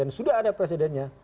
dan sudah ada presidennya